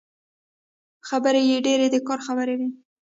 خبرې يې ډېرې د کار خبرې وې.